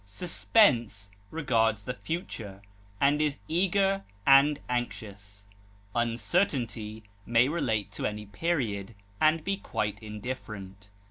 Suspense regards the future, and is eager and anxious; uncertainty may relate to any period, and be quite indifferent.